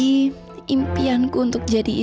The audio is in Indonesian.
ini impianku untuk jadi istri